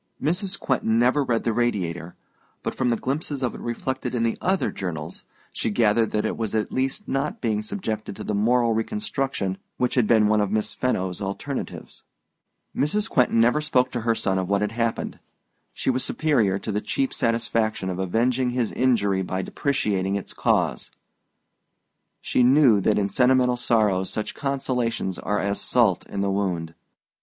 Mrs. Quentin never read the Radiator, but from the glimpses of it reflected in the other journals she gathered that it was at least not being subjected to the moral reconstruction which had been one of Miss Fenno's alternatives. Mrs. Quentin never spoke to her son of what had happened. She was superior to the cheap satisfaction of avenging his injury by depreciating its cause. She knew that in sentimental sorrows such consolations are as salt in the wound.